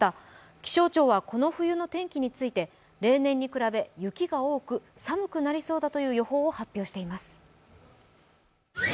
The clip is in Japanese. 気象庁はこの冬の天気について、例年に比べ雪が多く、寒くなりそうだという予報を発表しています。